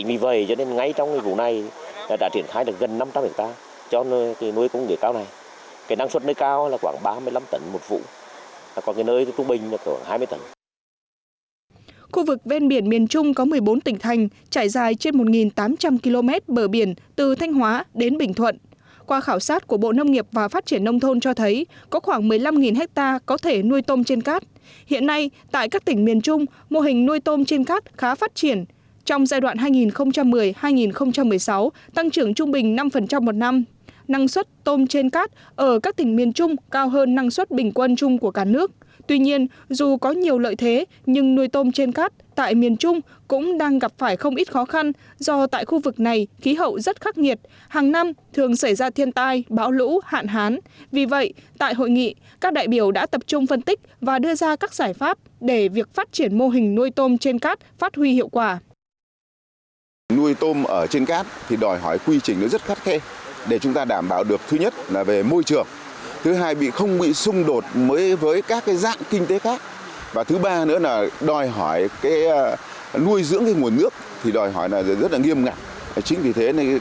vì vậy việc quy hoạch vùng nuôi tôm và đầu tư hạ tầng thủy lợi cho các khu vực nuôi cần được các địa phương xây dựng cụ thể